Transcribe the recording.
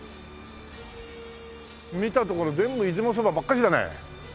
見たところ全部出雲そばばっかしだね。